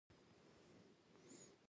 آیا کبان اروپا ته نه صادرېدل؟